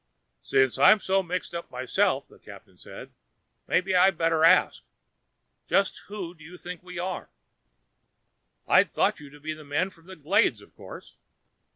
"Since I'm so mixed up myself," the captain said, "maybe I'd better ask just who do you think we are?" "I'd thought you to be the men from the Glades of course."